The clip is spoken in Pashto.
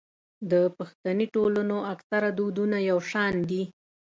د پښتني ټولنو اکثره دودونه يو شان دي.